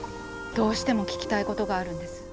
どうしても聞きたいことがあるんです。